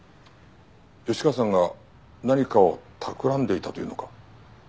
吉川さんが何かをたくらんでいたというのか？